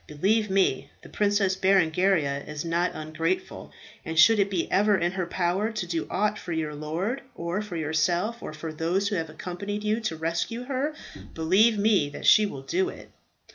"Believe me, the Princess Berengaria is not ungrateful, and should it be ever in her power to do aught for your lord, or for yourself, or for those who have accompanied you to rescue her, believe me that she will do it."